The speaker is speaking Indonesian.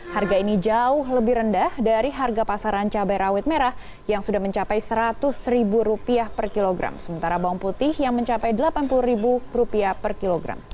harga ini jauh lebih rendah dari harga pasaran cabai rawit merah yang sudah mencapai rp seratus per kilogram sementara bawang putih yang mencapai rp delapan puluh per kilogram